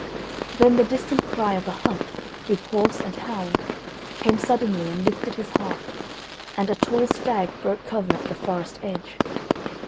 Then the distant cry of a hunt, with horse and hound, came suddenly and lifted his heart, and a tall stag broke cover at the forest edge.